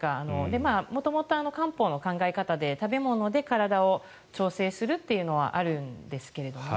元々、漢方の考え方で食べ物で体を調整するというのはあるんですけれどもね。